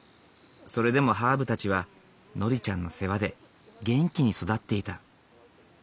それでもハーブたちはノリちゃんの世話で元気に育っていた。